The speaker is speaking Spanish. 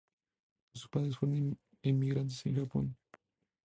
Sus padres fueron inmigrantes de Japón.